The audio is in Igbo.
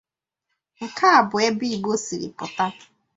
nke bụ ebe Igbo siri pụta